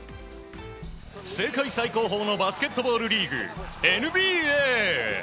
世界最高峰のバスケットボールリーグＮＢＡ。